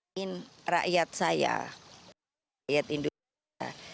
ingin rakyat saya rakyat indonesia